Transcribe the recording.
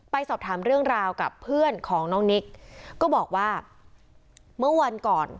สอบถามเรื่องราวกับเพื่อนของน้องนิกก็บอกว่าเมื่อวันก่อน